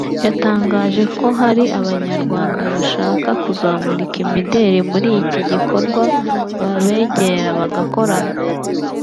yatangaje ko hari abanyarwanda bashaka kuzamurika imideli muri iki gikorwa babegera bagakorana